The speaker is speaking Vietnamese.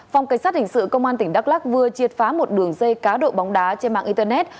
phòng cảnh sát hình sự công an tỉnh đắk lắc vừa triệt phá một đường dây cá độ bóng đá trên mạng internet